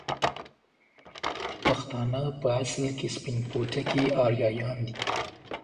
پښتانه په اصل کې سپين پوټکي اريايان دي